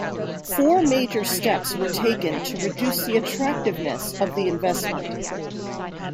Four major steps were taken to reduce the attractiveness of the investment.